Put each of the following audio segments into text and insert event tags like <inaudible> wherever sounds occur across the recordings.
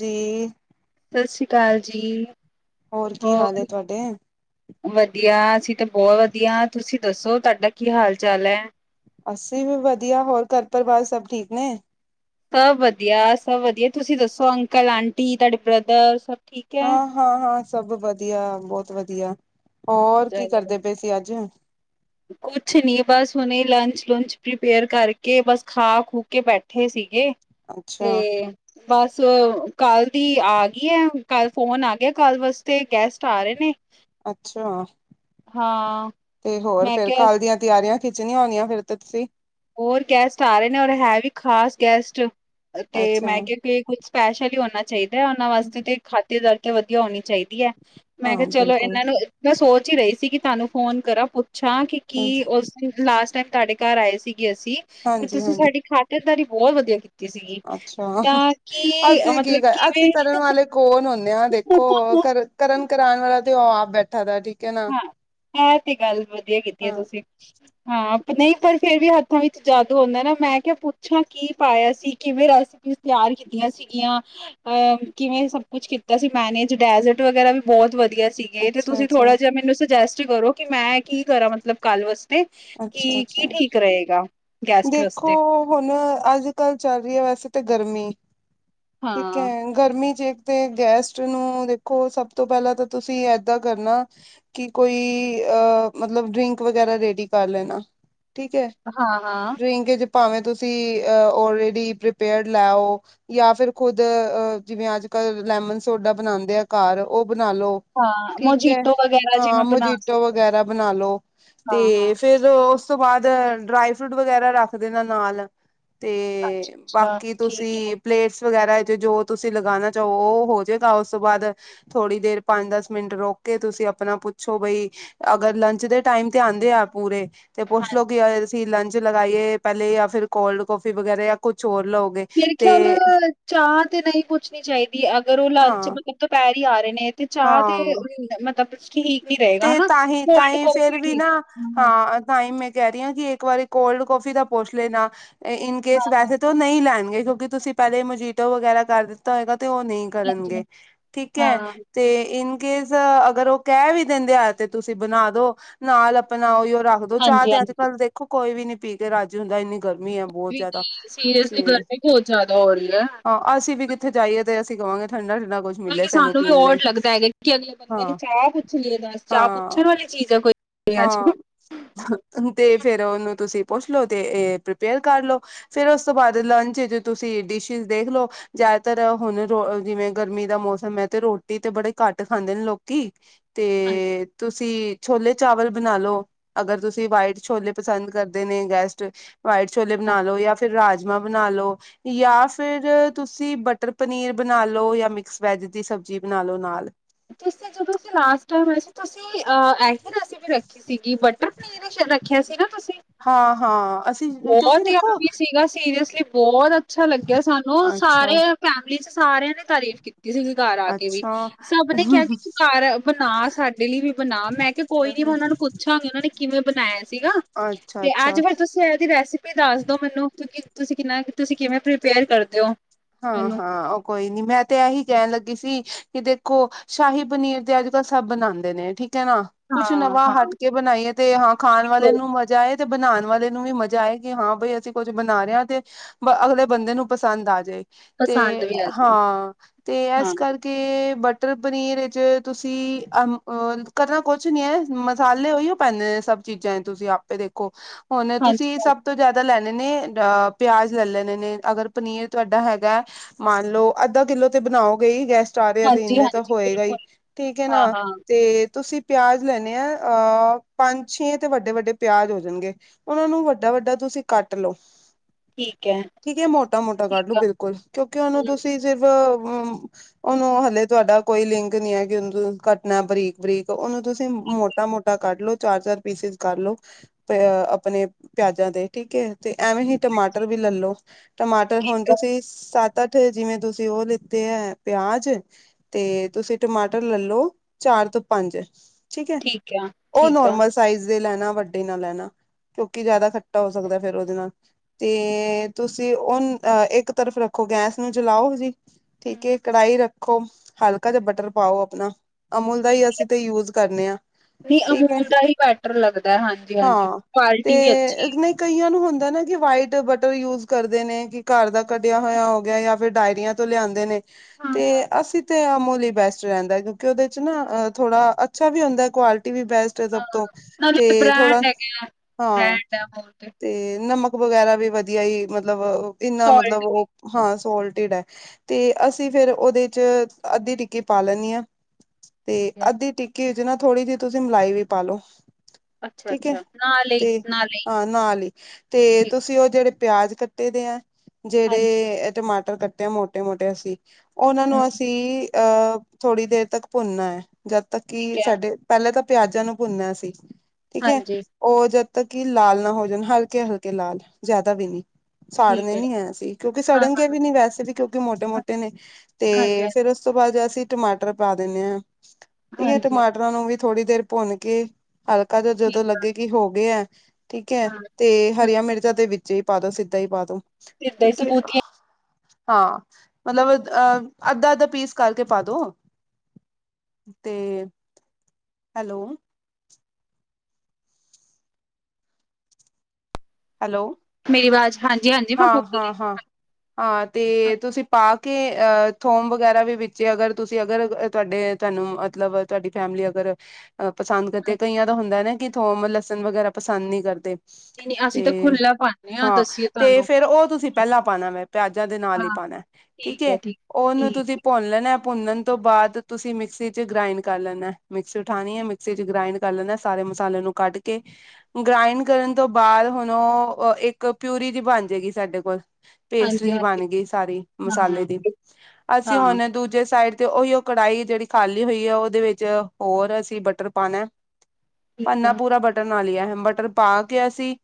ਜੀ। ਸਤਿ ਸ਼੍ਰੀ ਅਕਾਲ ਜੀ। ਹੋਰ ਕੀ ਹਾਲ ਏ ਤੁਹਾਡੇ? ਵਧੀਆ ਅਸੀਂ ਤਾਂ ਬਹੁਤ ਵਧੀਆ ਹਾਂ, ਤੁਸੀਂ ਦੱਸੋ ਤੁਹਾਡਾ ਕੀ ਹਾਲ ਚਾਲ ਹੈ? ਅੱਸੀ ਵੀ ਵਧੀਆ, ਹੋਰ ਘਰ ਪਰਿਵਾਰ ਸਭ ਠੀਕ ਨੇ? ਸਭ ਵਧੀਆ, ਸਭ ਵਧੀਆ, ਤੁਸੀਂ ਦੱਸੋ ਅੰਕਲ ਆਂਟੀ ਤੁਹਾਡੇ ਬ੍ਰਦਰ ਸਭ ਠੀਕ ਹੈ? ਹਾਂ-ਹਾਂ-ਹਾਂ ਸਭ ਵਧੀਆ, ਬਹੁਤ ਵਧੀਆ। ਹੋਰ ਕੀ ਚਲੋ ਕਰਦੇ ਪਏ ਸੀ ਅੱਜ? ਕੁਛ ਨੀ ਬਸ ਹੁਣੇ ਲੰਚ ਲੁੰਚ ਪ੍ਰੀਪੇਅਰ ਕਰਕੇ, ਬਸ ਖਾ ਖੂ ਕੇ ਬੈਠੇ ਸੀਗੇ। ਅੱਛਾ ਤੇ ਬਸ ਸਲੋ ਕੱਲ ਦੀ ਆ ਗਈ ਹੈ, ਕੱਲ ਫੋਨ ਆ ਗਿਆ ਕੱਲ ਵਾਸਤੇ, ਗੈਸਟ ਆ ਰਹੇ ਨੇ? ਅੱਛਾ। ਹਾਂ। ਤੇ ਹੋਰ ਮੈਂ ਫਿਰ ਕਿਹਾ ਕੱਲ ਦੀਆਂ ਤਿਆਰੀਆਂ ਖਿੱਚਣੀਆਂ ਹੋਣੀਆਂ ਫਿਰ ਤੇ ਤੁਸੀਂ। ਹੋਰ ਗੈਸਟ ਆ ਰਹੇ ਨੇ, ਔਰ ਹੈ ਵੀ ਖ਼ਾਸ ਗੈਸਟ, ਤੇ ਅੱਛਾ ਮੈਂ ਕਿਹਾ ਕੇ ਕੁਛ ਸਪੈਸ਼ਲ ਹੀ ਹੋਣਾ ਚਾਹੀਦਾ ਹੈ ਉਹਨਾਂ ਵਾਸਤੇ ਤੇ, ਖਾਤਿਰਦਾਰੀ ਤੇ ਵਧੀਆ ਹੋਣੀ ਚਾਹੀਦੀ ਹੈ। ਮੈਂ ਹਾਂ ਕਿਹਾ ਚਲੋ ਬਿਲਕੁਲ ਇਹਨਾਂ ਨੂੰ, ਮੈਂ ਸੋਚ ਹੀ ਰਹੀ ਸੀ ਕਿ ਤੁਹਾਨੂੰ ਫੋਨ ਕਰਾਂ ਪੁੱ ਛਾ ਕਿ ਕੀ ਉਸ ਲਾਸਟ ਟਾਈਮ ਤੁਹਾਡੇ ਘਰ ਆਏ ਸੀਗੇ ਅਸੀਂ, ਤੇ ਹਾਂਜੀ ਤੁਸੀਂ ਹਾਂਜੀ ਸਾਡੀ ਖਾਤੇਦਾਰੀ ਬਹੁਤ ਵਧੀਆ ਸੀਗੀ ਅੱਛਾ, ਤਾਂ ਕੀ ਅਸੀਂ ਕੀ ਮਤਲਬ ਕਰ, ਅਸੀਂ ਕਿਵੇਂ ਕਰਨ ਵਾਲੇ ਕੌਣ ਹੁੰ ਦੇਖੋ ਕਰ ਕਰਨ ਕਰਾਉਣ ਵਾਲਾ, ਤੇ ਉਹ ਆਪ ਬੈਠਾ ਦਾ ਠੀਕ ਹੈ ਨਾ ਹਾਂ, ਇਹ ਤੇ ਗੱਲ ਵਧੀਆ ਕੀਤੀ ਹੈ ਹਾਂ ਤੁਸੀਂ ਹਾਂ। ਨਹੀਂ, ਪਰ ਫੇਰ ਵੀ ਹੱਥਾਂ ਵਿੱਚ ਜਾਦੂ ਹੁੰਦਾ ਨਾ, ਮੈਂ ਕਿਹਾ ਪੁੱਛਾਂ ਕੀ ਪਾਇਆ ਸੀ ਕਿਵੇਂ ਰਸਿਆ ਕੀਤੀਆਂ ਸੀਗੀਆਂ, ਅਹ ਕਿਵੇਂ ਸਭ ਕੁਛ ਕੀਤਾ ਸੀ, ਮੈਨੇਜ ਡੈਜ਼ਰਟ ਵਗੈਰਾ ਵੀ ਬਹੁਤ ਵਧੀਆ ਵਧੀਆ ਸੀਗੇ, ਤੇ ਅੱਛਾ ਤੁਸੀਂ ਅੱਛਾ ਥੋੜਾ ਜਿਹਾ ਮੈਨੂੰ ਸੁਜੈਸਟ ਕਰੋ ਕਿ ਮੈਂ ਕੀ ਕਰਾਂ ਮਤਲਬ ਕੱਲ ਵਾਸਤੇ, ਅੱਛਾ ਕਿ ਕੀ ਅੱਛਾ ਠੀਕ ਰਹੇਗਾ? ਗੈਸਟ ਦੇਖੋ ਵਾਸਤੇ ਹੁਣ ਅੱਜ ਕੱਲ੍ਹ ਚੱਲ ਰਹੀ ਹੈ ਵੈਸੇ ਤਾਂ ਗਰਮੀ। ਠੀਕ ਹਾਂ ਹੈ ਗਰਮੀ ਚੇ ਤੇ ਗੈਸਟ ਨੂੰ ਦੇਖੋ ਸਭ ਤੋਂ ਪਹਿਲਾਂ ਤਾਂ ਤੁਸੀਂ ਏਦਾਂ ਕਰਨਾ ਕਿ ਕੋਈ ਅ ਮਤਲਬ ਡਰਿੰਕ ਵਗੈਰਾ ਰੇਡੀ ਕਰ ਲੈਣਾ, ਠੀਕ ਹੈ। ਹਾਂ ਹਾਂ ਡਰਿੰਕ ਚ ਭਾਵੇਂ ਤੁਸੀਂ ਔਲਰੈਡੀ ਪ੍ਰੀਪੇਅਰਡ ਲੈਓ, ਜਾਂ ਫਿਰ ਖੁਦ ਅ ਜਿਵੇਂ ਅੱਜ ਕਲ ਲੈਮਨ ਸੋਡਾ ਬਣਾਉਂਦੇ ਆ ਘਰ, ਉਹ ਬਣਾ ਲੋ। ਹਾਂ ਠੀਕ ਹੈ ਮੋਜੀਟੋ ਵਗੈਰਾ ਜਿਵੇਂ ਹਾਂ ਬਣਾ ਸਕ ਮਜੀਟੋ ਵਗੈਰਾ ਬਣਾ ਲੋ। ਹਾਂ ਹਾਂ ਤੇ ਫੇਰ ਉਸ ਤੋਂ ਬਾਅਦ ਡਰਾਈ ਫਰੂਟ ਵਗੈਰਾ ਰੱਖ ਦੇਨਾ ਨਾਲ। ਅੱਛਾ ਤੇ ਅੱਛਾ ਬਾਕੀ ਠੀਕ ਹੈ ਤੁਸੀਂ ਪਲੇਟਸ ਵਗੈਰਾ ਤੇ ਜੋ ਤੁਸੀਂ ਲਗਾਉਣਾ ਚਾਹੋ ਉਹ ਹੋਜਏਗਾ, ਉਸ ਤੋਂ ਬਾਅਦ ਥੋੜ੍ਹੀ ਦੇਰ ਪੰਜ, ਦਸ ਮਿੰਟ ਰੁਕ ਕੇ ਤੁਸੀਂ ਆਪਣਾ ਪੁੱਛੋ ਬਈ, ਅਗਰ ਲੰਚ ਦੇ ਟਾਈਮ ਤੇ ਆਉਂਦੇ ਆ ਪੂਰੇ ਤੇ ਹਾਂ ਪੁੱਛ ਲੋੋ ਕਿ ਅਸੀਂ ਲੰਚ ਲਗਾਈਏ ਪਹਿਲੇ ਜਾਂ ਫਿਰ ਕੋਲਡ ਕਫੀ ਵਗੈਰਾ ਜਾਂ ਕੁਛ ਹੋਰ ਲਓਗੇ ਮੇਰੇ ਤੇ ਖਿਆਲ ਚਾਹ ਤੇ ਨਹੀਂ ਪੁੱਛਣੀ ਚਾਹੀਦੀ, ਅਗਰ ਉਹ ਹਾਂ ਲੰਚ ਮਤਲਬ ਦੁਪਹਿਰ ਵੀ ਆ ਰਹੇ ਨੇ, ਤੇ ਚਾਹ ਹਾਂ ਤੇ ਮਤਲਬ ਠੀਕ ਨੀ ਰਹੇਗਾ ਤੇ ਹਨਾ ਕੋਲਡ ਤਾਂਹੀ-ਤਾਂਹੀ ਫੇਰ ਕੌਫੀ ਵੀ ਠੀਕ ਨਾ, ਹਾਂ ਤਾਂਹੀ ਮੈਂ ਕਹਿ ਰਹੀ ਹਾਂ ਕਿ ਇੱਕ ਵਾਰੀ ਕੋਲਡ ਕੋਫੀ ਦਾ ਪੁੱਛ ਲੈਣਾ, ਏ ਇਨਕੇਸ ਹਾਂ ਵੈਸੇ ਤੋਂ ਉਹ ਨਹੀਂ ਲੈਣਗੇ। ਕਿਉਂਕਿ ਤੁਸੀਂ ਪਹਿਲੇ ਮੋਜੀਟੋ ਵਗੈਰਾ ਕਰ ਦਿੱਤਾ ਹੋਏਗਾ। ਤੇ ਉਹ ਨਹੀਂ ਹਾਂਜੀ ਕਰਨਗੇ, ਠੀਕ ਹੈ, ਹਾਂ ਤੇ ਇਨ ਕੇਸ ਅਗਰ ਉਹ ਕਹਿ ਵੀ ਦਿੰਦੇ ਆ ਤੇ ਤੁਸੀਂ ਬਣਾ ਦੋ, ਨਾਲ ਆਪਣਾ ਉਹੀਓ ਰੱਖ ਦੋ, ਚਾਹ ਹਾਂਜੀ ਤੇ ਅੱਜ ਹਾਂਜੀ ਕੱਲ ਦੇਖੋ ਕੋਈ ਵੀ ਨੀ ਪੀ ਕੇ ਰਾਜੀ ਹੁੰਦਾ ਇੰਨੀ ਗਰਮੀ ਹੈ ਬਹੁਤ ਜ਼ਿਆਦਾ, ਕਿਉਂਕਿ ਸੀਰੀਅਸਲੀ ਤੇ ਗਰਮੀ ਬਹੁਤ ਜ਼ਿਆਦਾ ਹੋ ਰਹੀ ਹੈ। ਹਾਂ ਅਸੀਂ ਵੀ ਕਿ ਉੱਥੇ ਜਾਈਏ ਤੇ ਅਸੀਂ ਕਵਾਂਗੇ ਹਾਂ, ਠੰਡਾ-ਠੰਡਾ ਕੁਛ ਮਿਲੇ ਬਲਕਿ ਸਾਨੂੰ ਵੀ ਪੀਣ ਲਈ। ਔਡ ਲੱਗਦਾ ਹੈਗਾ ਕਿ ਅਗਲੇ ਬੰਦੇ ਨੇ ਹਾਂ। ਚਾਹ ਪੁੱਛ ਲਈਏ ਦੱਸ ਚਾਹ ਪੁੱਛਣ ਹਾਂ, ਵਾਲੀ ਚੀਜ਼ ਹੈ ਕੋਈ ਅੱਜ ਹਾਂਜੀ ਹਾਂ ਤੇ ਫਿਰ ਉਹਨੂੰ ਤੁਸੀਂ ਪੁੱਛ ਲੋ ਤੇ ਇਹ ਪ੍ਰੀਪੇਅਰ ਕਰ ਲੋ, ਫੇਰ ਉਸ ਤੋਂ ਬਾਅਦ ਲੰਚ ਚ ਤੁਸੀਂ ਡਿਸ਼ਿਸ਼ ਦੇਖ ਲਓ, ਜਾਂ ਜਿਆਦਾਤਰ ਹੁਣ ਰ ਜਿਵੇਂ ਗਰਮੀ ਦਾ ਮੌਸਮ ਹੈ, ਤੇ ਰੋਟੀ ਤੇ ਬੜੇ ਘੱਟ ਖਾਂਦੇ ਨੇ ਲੋਕੀ। ਹਾਂਜੀ ਤੇ ਤੁਸੀਂ ਛੋਲੇ ਚਾਵਲ ਬਣਾ ਲੋ ਅਗਰ ਤੁਸੀਂ ਵਾਈਟ ਛੋਲੇ ਪਸੰਦ ਕਰਦੇ ਨੇ ਗੈਸਟ ਵਾਈਟ ਛੋਲੇ ਬਣਾ ਲੋ ਜਾਂ ਫਿਰ ਰਾਜਮਾਂ ਬਣਾ ਲੋ ਜਾਂ ਫਿਰ ਤੁਸੀਂ ਬਟਰ ਪਨੀਰ ਬਣਾ ਲਓ ਜਾਂ ਮਿਕਸ ਵੈਜ ਦੀ ਸਬਜ਼ੀ ਬਣਾ ਲੋ ਨਾਲ ਤੁਸੀਂ ਜਦੋਂ ਅਸੀਂ ਲਾਸਟ ਟਾਈਮ ਆਏ ਸੀ ਤੁਸੀਂ ਅ ਇਹ ਰੈਸਿਪੀ ਰੱਖੀ ਸੀਗੀ ਬਟਰ ਪਨੀਰ ਸ਼ੈਦ ਰੱਖਿਆ ਸੀਗਾ ਹਾਂ ਹਾਂ ਅਸ ਬਹੁਤ ਈ <unintelligible> ਸੀਗਾ ਸੀ ਸੀਰੀਅਸਲੀ ਬਹੁਤ ਅੱਛਾ ਲੱਗਿਆ ਸਾਨੂੰ ਸਾਰੇ ਅੱਛਾ ਫੈਮਿਲੀ ਚ ਸਾਰਿਆਂ ਨੇ ਤਾਰੀਫ਼ ਕੀਤੀ। ਕਿਸੀ ਦਿਨ ਘਰ ਆ ਕੇ ਵੀ ਸਭ ਨੇ ਅੱਛਾ ਕਿਹਾ ਕਿ ਤੂੰ ਘਰ ਬਣਾ ਸਾਡੇ ਲਈ ਵੀ ਬਣਾ ਮੈਂ ਕਿਹਾ ਕੋਈ ਨੀ। ਉਹਨਾਂ ਨੂੰ ਪੁੱਛਾਂਗੀ ਉਹਨਾਂ ਨੇ ਕਿਵੇਂ ਬਣਾਇਆ ਸੀਗਾ ਅੱਛਾ ਤੇ ਅੱਛਾ ਅੱਜ ਫਿਰ ਤੁਸੀਂ ਇਹ ਰੈਸਿਪੀ ਦੱਸ ਦੋ ਮੈਨੂੰ ਕਿਉਂਕਿ ਤੁਸੀਂ ਕਿੰਨਾ ਤੁਸੀਂ ਕਿਵੇਂ ਪ੍ਰਪੇਅਰ ਕਰਦੇ ਓ ਹਾਂ, ਹਾਂ ਉਹ ਕੋਈ ਨੀ ਮੈਂ ਤੇ ਐਹੀ ਕਹਿਣ ਲੱਗੀ ਸੀ। ਕਿ ਦੇਖੋ ਸ਼ਾਹੀ ਪਨੀਰ ਤੇ ਅੱਜ ਕੱਲ੍ਹ ਸਭ ਬਣਾਦੇ ਨੇ ਠੀਕ ਕ ਐ ਨਾ ਕੁਛ ਹਾਂ, ਨਵਾਂ ਹਾਂ ਹਟ ਕੇ ਬਣਾਈਏ ਤੇ ਹਾਂ ਖਾਣ ਵਾਲੇ ਬਿਲਕੁਲ ਨੂੰ ਮਜ਼ਾ ਆਏ ਤੇ ਬਣਾਉਣ ਵਾਲੇ ਨੂੰ ਵੀ ਮਜ਼ਾ ਆਏ ਕਿ ਹਾਂ ਬਈ ਅਸੀਂ ਕੁੱਝ ਬਣਾ ਰਹੇ ਹਾਂ ਤੇ ਬ ਅਗਲੇ ਬੰਦੇ ਨੂੰ ਪਸੰਦ ਆ ਜਾਏ। ਪਸੰਦ ਤੇ ਵੀ ਆ ਜੇ ਹਾਂ ਤੇ ਇਸ ਹਾਂ, ਕਰਕੇ ਬ ਟਰ ਪਨੀਰ ਵਿੱਚ ਤੁਸੀਂ ਅਮ ਅ ਕਰਨਾ ਕੁਛ ਨਈ ਐ ਮਸਾਲੇ ਉਹੀਓ ਪੈਂਦੇ ਨੇ ਸਭ ਚੀਜ਼ਾਂ ਤੁਸੀਂ ਆਪੇ ਦੇਖੋ ਹੁਣ ਹਾਂਜੀ, ਤੁਸੀਂ ਹਾਂਜੀ, ਸਭ ਤੋਂ ਜ਼ਿਆਦਾ ਲੈਣੇ ਨੇ ਅ ਪਿਆਜ ਲੈ ਲੈਣੇ ਨੇ, ਅਗਰ ਪਨੀਰ ਤੁਹਾਡਾ ਹੈ ਗਾ, ਮੰਨ ਲਓ ਅੱਧਾ ਕਿੱਲੋ ਤੇ ਬਣਾਓਗੇ ਹੀ? ਗੈਸ ਚਾਰ ਹੈ ਤੇ ਹਾਂਜੀ, ਇੰਨੇ ਤਾਂ ਹਾਂਜੀ ਹੋਏਗਾ ਬਿਲਕੁਲ ਹੀ, ਠੀਕ ਹੈ ਹਾਂ, ਨਾ, ਹਾਂ ਤੇ ਤੁਸੀਂ ਪਿਆਜ ਲੈਣੇ ਆ ਅਹ ਪੰਜ, ਛੇ ਤੇ ਵੱਡੇ-ਵੱਡੇ ਪਿਆਜ ਹੋ ਜਾਣਗੇ, ਉਹਨਾਂ ਨੂੰ ਵੱਡਾ-ਵੱਡਾ ਤੁ ਤੁਸੀਂ ਕੱਟ ਲੋ, ਠੀਕ ਐ, ਠੀਕ ਹੈ, ਮੋਟਾ-ਮੋਟਾ ਕੱਟ ਲੋ ਠੀਕ ਆ, ਬਿਲ ਕਿਉਂਕਿ ਹੂੰ, ਉਹਨੂੰ ਤੁਸੀਂ ਸਿਰਫ <unintelligible> ਉਹਨੂੰ ਹਲੇ ਤੁਹਾਡਾ ਕੋਈ ਲਿੰਕ ਨਈ ਐ ਕਿ ਉਹਨੂੰ ਕੱਟਣਾ ਬਰੀਕ ਬਰੀਕ ਉਹਨੂੰ ਤੁਸੀ ਮੋ ਮੋਟਾ ਮੋਟਾ ਕੱਟ ਲੋ ਚਾਰ ਚਾਰ ਪੀਸਿਸ ਕਰਲੋ ਤ ਆਪਣੇ ਪਿਆਜਾਂ ਦੇ ਠੀਕ ਐ ਤੇ ਐਵੇਂ ਹੀ ਟਮਾਟਰ ਵੀ ਲੈਲੋ ਟਮਾਟਰ ਹੁਣ ਠੀਕ ਆ, ਤੁਸੀਂ ਸੱਤ ਅੱਠ ਜਿਵੇਂ ਤੁਸੀਂ ਉਹ ਲਿੱਤੇ ਐ ਪਿਆਜ ਤੇ ਤੁਸੀਂ ਟਮਾਟਰ ਲੈਲੋ ਚਾਰ ਤੋਂ ਪੰਜ ਠੀਕ ਹੈ ਆ, ਉਹ ਠੀਕ ਆ। ਨੋਰਮਲ ਸਾਈਜ਼ ਦੇ ਲੈਣਾ ਵੱਡੇ ਨਾਲ ਲੈਣਾ। ਕਿਉਂਕਿ ਜਿਆਦਾ ਖੱਟਾ ਹੋ ਸਕਦਾ ਫੇਰ ਉਹਦੇ ਨਾਲ ਤੇ ਤੁਸੀਂ ਉਹ ਅਹ ਇੱਕ ਤਰਫ ਰੱਖ ਰੱਖੋ ਗੈਸ ਨੂੰ ਜਲਾਓ ਜੀ ਹੂੰ, ਠੀਕ ਐ ਹੂੰ। ਕੜਾਹੀ ਰੱਖੋ ਹਲਕਾ ਜੇਆ ਬਟਰ ਪਾਓ ਆਪਣਾ ਅਮੁਲ ਦਾ ਠੀਕ ਈ ਹੈ। ਅਸੀਂ ਤੇ ਯੂਜ ਕਰਨੇ ਆ। ਨਹੀਂ ਠੀਕ ਐ, ਅਮੂਲ ਦਾ ਹੀ ਬੈਟਰ ਲੱਗਦਾ ਹਾਂਜੀ-ਹਾਂਜੀ ਹਾਂ ਤੇ ਕੁਆਲਿਟੀ ਵੀ ਅੱਛੀ ਨਈ ਕਈਆਂ ਨੂੰ ਹੁੰ ਏਦਾ ਨਾ ਕਿ ਵਾਈਟ ਬਟਰ ਯੂਜ ਕਰਦੇ ਨੇ ਕਿ ਘਰ ਦਾ ਕੱਢਿਆ ਖੋਇਆ ਹੋ ਗਿਆ ਜਾਂ ਫਿਰ ਡਾਇਰੀਆਂ ਤੋਂ ਲਿਆਂਦੇ ਨੇ ਹੈ। ਤੇ ਹਾਂ-ਹਾਂ। ਅਸੀਂ ਤੇ ਲੀ ਬੈਸਟ ਰਹਿੰਦਾ ਕਿਉਂਕਿ ਉਹਦੇ ਚ ਨਾ ਥੋੜਾ ਅੱਛਾ ਵੀ ਹੁੰਦਾ ਕੁਆਲਿਟੀ ਵੀ ਬੈਸਟ ਹੈ ਸਭ ਹਾਂ ਤੋਂ ਹਾਂ ਤੇ ਨਾਲੇ ਥੋੜਾ, ਬ੍ਰੈਂਡ ਹੈਗੇ ਹਾਂ ਬ੍ਰੈਂਡ ਹੈ ਅਮੂਲ ਤੇ ਨਮਕ ਵਗੈਰਾ ਵੀ ਵਧੀਆ ਈ ਮਤਲਬ ਇੰਨਾ ਸੋਲਟ ਮਤਲਬ ਵੀ ਉਹ ਹੈ। ਹਾ ਸੋਲਟਿਡ ਐ। ਤੇ ਹਾਂ ਅਸੀਂ ਫੇਰ ਉਹਦੇ ਚ ਅੱਧੀ ਟਿੱਕੀ ਪਾ ਲੈਨੀ ਆ ਠੀਕ ਤੇ ਹੈ ਅੱਧੀ ਟਿੱਕੀ ਵਿੱਚ ਨਾ ਥੋੜ੍ਹੀ ਜਿਹੀ ਤੁਸੀਂ ਮਲਾਈ ਵੀ ਪਾਲੋ। ਠੀਕ ਐ ਅੱਛਾ-ਅੱਛਾ ਨਾਲ ਹੀ ਤੇ ਨਾਲ ਹੀ ਅ ਨਾਲ ਈ, ਤੇ ਠੀਕ ਤੁਸੀਂ ਓ ਜਿਹੜੇ ਪਿਆਜ ਕੱਟੇ ਦੇ ਆ ਹਾਂਜੀ ਤੇ ਟਮਾਟਰ ਕੱਟੇ ਆ ਮੋਟੇ ਮੋਟੇ ਅਸੀਂ, ਉਹਨਾਂ ਨੂੰ ਹੂੰ ਅਸੀਂ- ਅਹ ਥੋੜ੍ਹੀ ਦੇਰ ਤੱਕ ਭੁੰਨਨਾ ਐ ਜਦ ਤੱਕ ਠੀਕ ਕਿ ਹੈ ਸਾਡੇ ਪਹਿਲੇ ਤਾਂ- ਪਿਆਜਾਂ ਨੂੰ ਭੁੰਨਨਾ ਐ ਅਸੀਂ ਠੀਕ ਐ ਹਾਂਜੀ ਓ ਜਦ- ਤਾਂ ਕੀ ਲਾਲ ਨਾ ਹੋ ਜਾਣ ਹਲਕੇ-ਹਲਕੇ ਲਾਲ ਜਿਆਦਾ ਵੀ ਨੀ, ਠੀਕ ਸਾੜਨੇ ਹੈ ਨੀ ਐ ਅਸੀ। ਕਿ ਸੜਨਗੇ ਹਾਂ-ਹਾਂ ਵੀ ਨੀ ਵੈਸੇ ਵੀ ਕਿਉਂਕਿ ਮੋਟੇ-ਮੋਟੇ ਨੇ ਹਾਂਜੀ ਤੇ ਫਿਰ ਉਸ ਤੋਂ ਬਾਅਦ- ਜੈਸੇ ਈ ਟਮਾਟਰ ਪਾ ਦਿੰਨੇ ਆ ਠੀਕ ਐ ਹਾਂਜੀ ਟਮਾਟਰਾਂ ਨੂੰ ਵੀ ਥੋੜ੍ਹੀ ਦੇਰ ਭੁੰਨ ਕੇ- ਹਲਕਾ ਜੇਆ ਜਦੋਂ ਠੀਕ ਆ ਲੱਗੇ ਕਿ ਹੋ ਗਏ ਐ ਠੀਕ ਐ ਹਾਂ ਤੇ ਹਰੀਆਂ ਮਿਰਚਾਂ ਦੇ ਵਿੱਚ- ਜੇ ਪਾ ਦੋ ਸਿੱਧਾ ਹੀ ਪਾ ਦੋ। ਸਿੱਧਾ ਹ- ਕਿ ਹ- ਹਾਂ। ਮਤਲਬ ਅਹ ਅੱਧਾ ਅੱਧਾ ਪੀਸ ਕਰਕੇ ਪਾ ਦੋ ਤੇ- ਹੈਲੋ। ਹੈਲੋ। ਮੇਰੀ ਆਵਾਜ਼ ਹਾਂਜੀ-ਹਾਂਜੀ ਮੈਂ ਹਾਂ ਬੋਲ ਹਾਂ ਰਹੀ ਹਾਂ ਹਾਂ ਹਾਂ ਤੇ ਤੁਸੀਂ ਪਾਕ- ਕਿ ਅਹ ਥੋਮ ਵਗੈਰਾ ਵੀ ਵਿੱਚ ਅਗਰ ਤੁਸੀਂ ਅਗਰ ਤੁਹਾਡੇ ਤੁਹਾਨੂੰ ਮਤਲਬ ਤੁਹਾਡੀ ਫੈਮਿਲੀ ਅਗਰ- ਅ ਪਸੰਦ ਕਰਦੇ ਕਈਆਂ ਦਾ ਹੁੰਦਾ ਨਾ ਕਿ ਥੋਮ ਲਸਣ ਵਗੈਰਾ ਪਸੰਦ ਨੀ ਕਰਦੇ- ਨਹੀਂ-ਨਹੀਂ ਅਸੀਂ ਤਾਂ ਤੇ ਖੁੱਲਾ ਪਾਨੇ ਹਾਂ ਦੱਸੀਏ ਤੇ ਤੁਹਾਨੂੰ ਫੇਰ ਉਹ ਤੁਸੀਂ ਪਹਿਲਾਂ ਪਾਣਾ ਵੈਂ ਪਿਆਜਾਂ ਦੇ ਨਾਲ ਹੀ ਹਾਂ ਪਾਣਾ। ਠੀਕ ਏ ਉਹਨੂੰ ਤੁਸੀਂ ਭੁੰਨ ਲੈਣਾ- ਭੁੰਨਣ ਤੋਂ ਬਾਅਦ ਤੁਸੀਂ ਮਿਕਸੀ ਚ ਗ੍ਰਾਇੰਡ ਕਰ ਲੈਣਾ ਮਿਕਸੀ ਉਠਾਣੀ ਹੈ ਮਿਕਸੀ ਚ ਗ੍ਰਾਇੰਡ ਕਰ ਲੈਣਾ ਸਾਰੇ- ਮਸਾਲੇ ਨੂੰ ਕੱਢ ਕੇ ਗ੍ਰਾਇੰਡ ਕਰਨ ਤੋਂ ਬਾਅਦ ਹੁਣ- ਉਹ ਇੱਕ ਪਿਊਰੀ ਦੀ ਬਣ ਜਾਏਗੀ ਸਾਡੇ ਕੋਲ- ਪੇਸਟ ਦੀ ਹਾਂਜੀ-ਹਾਂਜੀ ਬਣ ਗਈ ਸਾਰੀ ਮਸਾਲੇ ਹਾਂ ਦੀ ਅਸੀਂ ਹਾਂ ਹੁਣ ਦੂਜੇ ਸਾਈਡ- ਤੇ ਉਹੀ ਉਹ ਕੜਾਹੀ ਜਿਹੜੀ ਖਾਲੀ ਹੋਈ ਐ ਉਹਦੇ ਵਿੱਚ ਹੋਰ ਅਸੀਂ ਬਟਰ ਪਾਣਾ- ਠੀਕ ਆ। ਬੰਨਾ ਪੂਰਾ ਬਟਰ ਨਾਲ ਹੀ ਐ। ਬਟਰ ਪਾ ਕੇ ਅਸੀਂ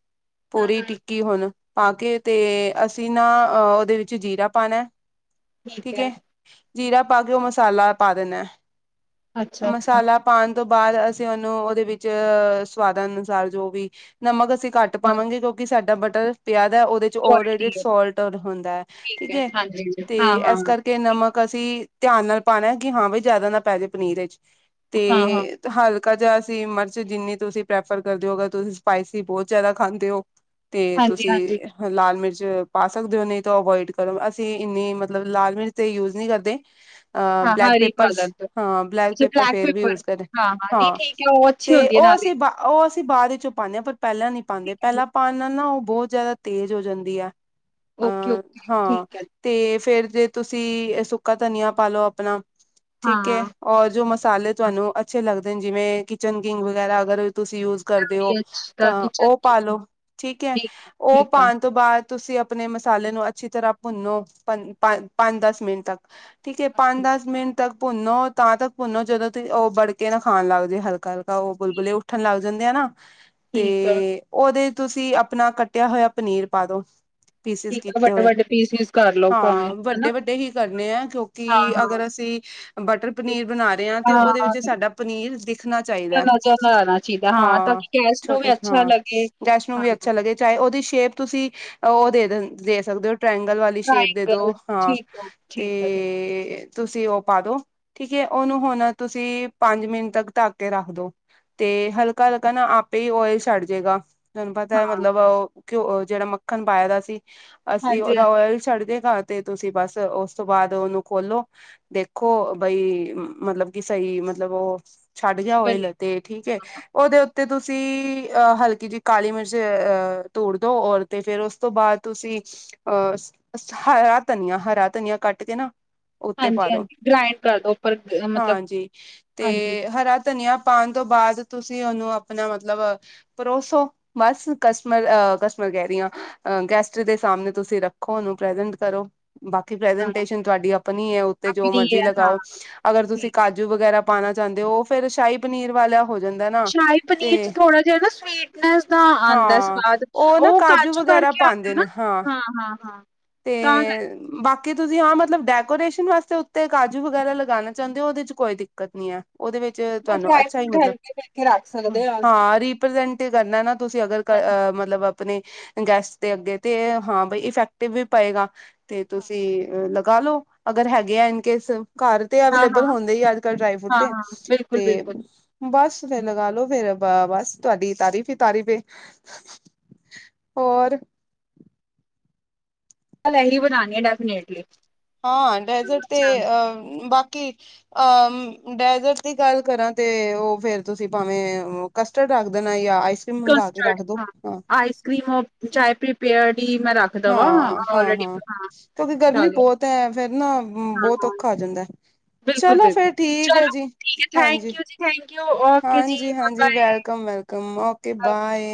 ਹਾਂ ਪੂਰੀ ਹਾਂ। ਟਿੱਕੀ ਹੁਣ- ਪਾ ਕੇ ਤੇ ਅਸੀਂ ਨਾ ਅਹ ਉਹਦੇ ਵਿੱਚ ਜੀਰਾ ਪਾਣਾ- ਠੀਕ ਐ ਜੀਰਾ ਪਾ ਕੇ ਓ ਮਸਾਲਾ ਪਾ ਦੇਣਾ ਐ ਅੱਛਾ-ਅੱਛਾ ਮਸਾਲਾ ਪਾਣ- ਤੋਂ ਬਾਅਦ ਅਸੀਂ ਉਹਨੂੰ ਉਹਦੇ ਵਿੱਚ ਅ ਸਵਾਦਾਂ ਅਨੁਸਾਰ ਜੋ ਵੀ ਨਮਕ ਅਸੀਂ- ਘੱਟ ਪਾਵਾਂਗੇ ਕਿਉਂਕਿ ਸਾਡਾ ਬਟਰ ਪਿਆਜ਼- ਉਹਦੇ ਚ ਕੁਆਲਿਟੀ ਔਲਰੇਡੀਡੀ ਹੈ ਸੋਲਟ ਹੁੰਦਾ ਹੈ। ਠੀਕ ਹੈ ਹਾਂਜੀ ਤੇ ਹਾਂ-ਹਾਂ ਇਸ ਕਰਕੇ ਠੀਕ ਨਮਕ ਅਸੀਂ ਧਿਆਨ ਨਾਲ ਪਾਉਣਾ ਕਿ ਹਾਂ ਬਈ ਜਿਆਦਾ ਨਾ ਪੈ ਜੇ ਪਨੀਰ ਵਿੱਚ ਤੇ ਹਾਂ-ਹਾਂ ਹਲ- ਹਲਕਾ ਜਾਂ ਅਸੀ ਮਿਰਚ ਜਿੰਨੀ ਤੁਸੀਂ ਪ੍ਰੈਫਰ ਕਰਦੇ ਹੋ ਅਗਰ ਤੁਸੀਂ ਸਪਾਈਸੀ ਬਹੁਤ ਜ਼ਿਆਦਾ ਖਾਂਦੇ ਓ ਤੇ ਹਾਂਜੀ-ਹਾਂਜੀ ਤੁਸੀਂ ਲਾਲ ਮਿਰਚ ਪਾ ਸਕਦੇ ਹੋ ਨਹੀਂ ਤਾਂ ਅਵੋਇਡ ਕਰੋ। ਅਸੀਂ ਇੰਨੀ- ਮਤਲਬ ਲਾਲ ਮਿਰਚ ਤੇ ਯੂਜ ਨੀ ਕਰਦੇ। ਹਾਂ ਹਾਂਜੀ ਹਾਂਜੀ ਹਾਂ ਬਲੈਕ ਹਰੀ ਪੇਪਰਸ ਪਾਲਕ ਹਾਂ ਬਲੈਕ ਅੱਛਾ ਪੇਪਰ ਫੇਰ ਵੀ ਯੂਜ ਕਰੇ ਹਾਂ-ਹਾਂ ਨਹੀਂ ਹਾਂ। ਠੀਕ ਹੈ ਉਹ ਅੱਛੀ ਤੇ ਹੁੰਦੀ ਹੈ ਉਹ- ਨਾਲੇ ਅਸੀਂ ਬਸ ਉਸ- ਅਸੀਂ ਬਾਅਦ ਵਿੱਚੋਂ ਪਾਨੇ ਹਾਂ ਪਰ ਪਹਿਲਾਂ ਨੀ ਪਾਦੇ ਠੀਕ ਹੈ ਪਹਿਲਾਂ ਪਾਣ ਨਾਲ ਨਾ ਉਹ ਬਹੁਤ ਜਿਆਦਾ ਤੇਜ਼ ਹੋ ਜਾਂਦੀ ਐ। ਅਹ ਓਕੇ-ਓਕੇ ਹਾਂ ਠੀਕ ਹੈ ਤੇ ਫੇਰ ਜੇ ਤੁਸੀਂ ਸੁੱਕਾ ਧਨੀਆ ਪਾ ਲਓ ਆਪਣਾ- ਠੀਕ ਹਾਂ ਔਰ ਜੋ ਮਸਾਲੇ ਤੁਹਾਨੂੰ ਅੱਛੇ ਲੱਗਦੇ ਨੇ ਜਿਵੇਂ ਕਿਚਨ ਕਿੰਗ ਵਗੈਰਾ ਅਗਰ- ਤੁਸੀਂ ਯੂਜ ਕਰਦੇ ਹੋ ਐਮਡੀਐਚ ਦਾ ਤਾਂ ਕਿਚਨ ਉਹ ਪਾ ਲਓ, ਠੀਕ ਠੀਕ ਐ ਉਹ ਠੀਕ ਆ ਠੀਕ ਆ ਪਾਣ ਤੋਂ ਬਾਅਦ- ਤੁਸੀਂ ਆਪਣੇ ਮਸਾਲੇ ਨੂੰ ਅੱਛੀ ਤਰ੍ਹਾਂ ਭੁੰਨੋ ਪੰਦ-ਪੰਜ ਦਸ ਮਿੰਟ ਤੱਕ ਠੀਕ ਐ ਅੱਛਾ ਪੰਜ ਦਸ ਮਿੰਟ ਤੱਕ ਭੁੰਨੋ ਤਾਂ ਤੱਕ ਭੁੰਨੋ ਜਦੋਂ ਤੁਸੀਂ ਉਹ ਬੜ ਕੇ ਨਾ ਖਾਣ ਲੱਗਜੇ ਹਲਕਾ ਹਲਕਾ। ਉਹ ਬੁਲਬੁਲੇ ਉੱਠਣ ਲੱਗ ਜਾਂਦੇ ਆ ਨਾ ਤੇ ਅੱਛਾ, ਉਹਦੇ- ਤੁਸੀਂ ਆਪਣਾ ਕੱਟਿਆ ਹੋਇਆ ਪਨੀਰ ਪਾਦੋ। ਪੀਸਿਸ ਠੀਕ ਆ ਕੀਤੇ ਹੋਏ। ਵੱਡੇ-ਵੱਡੇ ਪੀਸ-ਪੀਸ ਕਰ ਲਓ ਭਾਵੇਂ ਹਾਂ- ਹਨਾ ਵੱਡੇ ਵੱਡੇ ਹੀ ਕਰਨੇ ਆ ਕਿਉਂਕਿ ਅਗਰ ਹਾਂ-ਹਾਂ ਅਸੀਂ ਬਟਰ ਪਨੀਰ ਬਣਾ ਰਹੇ ਹਾਂ ਤੇ ਉਹਦੇ ਵਿੱਚ ਸਾ- ਤੁਹਾਡਾ ਪਨੀਰ ਦਿਖਣਾ ਹਾਂ ਚਾਹੀਦਾ, ਨਜ਼ਰ ਨਾ ਆਣਾ ਚਾਹੀਦਾ ਤਾਂ ਹਾਂ, ਕਿ ਗੈਸ ਨੂੰ ਵੀ ਛੋਟੇ ਅੱਛਾ ਹਾਂ ਲੱਗੇ ਜੈਸ਼ਨੋ- ਵੀ ਹਾਂ ਅੱਛਾ ਲੱਗੇ ਚਾਹੇ ਉਹਦੀ ਸ਼ੇਪ ਤੁਸੀਂ ਉਹ ਦੇ ਸਕਦੇ ਹੋ ਟਰਾਏਂਗਲ ਵਾਲੀ ਸ਼ੇਪ ਦੇ ਟਰਾਈਐਂਗਲ ਦੋ ਹਾਂ। ਠੀਕ ਆ, ਠੀਕ ਆ ਜੀ, ਤੇ ਤੁਸੀਂ ਉਹ ਪਾ ਦੋ ਠੀਕ ਐ, ਉਹਨੂੰ ਹੁਣ ਤੁਸੀਂ ਪੰਜ ਮਿੰਟ ਤੱਕ ਢੱਕ ਕੇ ਰੱਖ ਦੋ ਤੇ ਠੀਕ ਹਲਕਾ ਹਲਕਾ ਨਾ ਆਪ- ਪੀ ਓਇਲ ਛੱਡ ਜੇਗਾ ਤੁਹਾਨੂੰ ਹਾਂ, ਪਤਾ ਮਤਲਬ ਓ ਘਿਓ ਜੇੜਾ ਮੱਖਣ ਪਾਇਆ ਦਾ ਸੀ ਅਸੀਂ ਓਦਾ ਹਾਂਜੀ-ਹਾਂਜੀ ਓਇਲ ਛੱਡਦੇਗਾ। ਤੇ ਤੁਸੀਂ ਬਸ ਉਸ ਤੋਂ ਬਾਅਦ ਓਨੂੰ ਖੋਲੋ ਦੇਖੋ ਬਈ ਮਤਲਬ ਕੀ ਸਈ ਮਤਲਬ ਓ ਛੱਡ ਗਿਆ ਬਣੇ ਓਇਲ ਤੇ ਠੀਕ ਐ ਓਦੇ ਤੇ ਤੁਸੀਂ ਅਹ ਹਲਕੀ ਜੀ ਕਾਲੀ ਮਿਰਚ ਅਹ ਤੋੜ ਦੋ ਔਰ ਤੇ ਫੇਰ ਓਸ ਤੋਂ ਬਾਦ ਤੁਸੀਂ ਅਹ ਹਰਾ ਧਨੀਆ ਹਰਾ ਧਨੀਆ ਕੱਟ ਕੇ ਨਾ ਉੱਤੇ ਪਾ ਦੋ ਹਾਂਜੀ-ਹਾਂਜੀ ਗ੍ਰਾਇੰਡ ਕਰ ਦੋ ਉੱਪਰ ਗ ਮਤਲਬ ਹਾਂਜੀ। ਤੇ ਹਾਂਜੀ, ਹਰਾ ਧਨੀਆ ਪਾਣ ਤੋਂ ਬਾਦ ਤੁਸੀਂ ਓਨੂੰ ਆਪਣਾ ਮਤਲਬ ਪਰੋਸੋ ਬਸ ਕਸਟਮਰ ਅ ਕਸਟਮਰ ਕੈ ਰੀ ਆ ਗੈਸਟ ਦੇ ਸਾਮਣੇ ਤੁਸੀਂ ਰੱਖੋ ਓਨੂੰ ਪ੍ਰੇਜੇਂਟ ਕਰੋ। ਬਾਕੀ ਹਾਂ ਪ੍ਰੈਜਟੇਸ਼ਨ ਤੁਹਾਡੀ ਆਪਣੀ ਐ ਉੱਤੇ ਜੋ ਆਪਣੀ ਐ ਮਰਜੀ ਹਾਂ, ਲਗਾਓ ਅਗਰ ਤੁਸੀਂ ਠੀਕ। ਕਾਜੂ ਵਗੈਰਾ ਪਾਣਾ ਚਾਂਦੇ ਓ ਓ ਫੇਰ ਸ਼ਾਹੀ ਪਨੀਰ ਵਾਲਾ ਹੋ ਜਾਂਦਾ ਨਾ ਸ਼ਾਹੀ ਪਨੀਰ 'ਚ ਤੇ ਥੋੜਾ ਜਿਹਾ ਨਾ ਸਵੀਟਨੈਸ ਦਾ ਆਂਦਾ ਹਾਂ ਸਵਾਦ, ਓ ਨਾ ਉਹ ਕਾਜੂ ਵਗ ਗੈਰਾ ਕਰਕੇ ਪਾਂਦੇ ਆਂਦਾ ਨਾ। ਨੇ ਹਾਂ ਹਾਂ, ਹਾਂ ਤੇ ਤਾਂ ਕਰਕੇ। ਬਾਕੀ ਤੁਸੀਂ ਹਾਂ ਮਤਲਬ ਡੈਕੋਰੇਸ਼ਨ ਵਾਸਤੇ ਉੱਤੇ ਕਾਜੂ ਵਗੈਰਾ ਲਗਾਣਾ ਚਾਂਦੇ ਓ ਓਦੇ ਚ ਕੋਈ ਦਿੱਕਤ ਨੀ ਐ ਓਦੇ ਵਿੱਚ ਉਹ ਤੁਹਾਨੂੰ ਡਰਾਈ ਅੱਛਾ ਈ ਫਰੂਟ ਮਤਲਬ ਹਲਕੇ ਕਰਕੇ ਰੱਖ ਸਕਦੇ ਆ ਅਸੀਂ। ਹਾਂ ਰੀਪ੍ਰਜੈਂਟ ਕਰਨਾ ਨਾ ਤੁਸੀਂ ਅਗਰ ਕ ਅ ਮਤਲਬ ਆਪਣੇ ਗੈਸਟ ਦੇ ਅੱਗੇ ਤੇ ਹਾਂ ਬਈ ਇਫੈਕਟਿਵ ਵੀ ਪਏਗਾ ਤੇ ਤੁਸੀਂ ਲ <unintelligible> ਲੌ ਅਗਰ ਹੈਗੇ ਆ ਇਨ ਕੇਸ ਘਰ ਤੇ ਹਾਂ-ਹਾਂ, ਅਵੇਲੇਬਲ ਹੁੰਦੇ ਈ ਆ ਅੱਜ ਕੱਲ ਤੇ ਡਰਾਈ ਫਰੂਟ ਤੇ ਹਾਂ-ਹਾਂ, ਤੇ ਬਿਲਕੁਲ-ਬਿਲਕੁਲ। ਬਸ ਫਿਰ ਲਗਾਲੋ ਫੇਰ ਬ ਬਸ ਤੁਹਾਡੀ ਤਾਰੀਫ਼ ਈ ਤਾਰੀਫ਼ ਏ ਹੋਰ ਕੱਲ ਏਹੀ ਬਣਾਣੀ ਐ ਡੈਫੀਨੇਟਲੀ। ਹਾਂ ਡੈਜ਼ਰਟ ਤੇ ਅੱਛਾ। ਅਹ ਬਾ ਕੀ ਅਹ ਡੈਜ਼ਰਟ ਦੀ ਗੱਲ ਕਰਾਂ ਤੇ ਓ ਫੇਰ ਤੁਸੀਂ ਭਾਵੇਂ ਕਸਟਡ ਰੱਖ ਦੇਣਾ ਯਾ ਆਈ ਕਸਟਡ ਹਾਂ ਆਈਸ ਕਰ੍ਰੀਮ ਅ ਚਾਏ ਪ੍ਰੀਪੇਅਰਡ ਹੀ ਮੈਂ ਰੱਖ ਦੇਵਾਂ ਆਲਰੇਡੀ ਹਾਂ-ਹਾਂ-ਹਾਂ ਹਾਂ ਕਿਉਂਕਿ ਗਰਮੀ ਚਲੋ ਬੋਤ ਐ ਫੇਰ ਨਾ ਹਾਂ ਬਹੁਤ ਹਾਂ ਔਖਾ ਜਾਂਦਾ ਐ। ਬਿਲਕੁਲ ਚਲੋ ਫਿਰ ਬਿਲਕੁਲ ਠੀਕ ਐ ਚਲੋ ਜੀ ਠੀਕ ਹੈ ਥੈਂਕ ਯੂ ਜੀ ਥੈਂਕ ਯੂ ਓਕੇ ਜੀ ।ਹਾਂਜੀ-ਹਾਂਜੀ-ਹਾਂਜੀ bye welcome welcome okay bye.